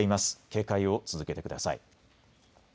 警戒を続けてください。